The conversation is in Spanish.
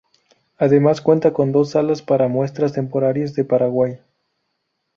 Además cuenta con dos salas para muestras temporarias de Paraguay.